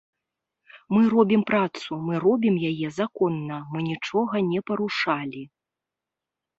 Мы робім працу, мы робім яе законна, мы нічога не парушалі.